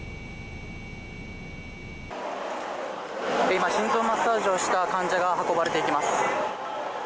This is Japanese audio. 今、心臓マッサージをした患者が運ばれていきます。